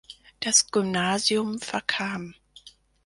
Das Gymnasium verkam.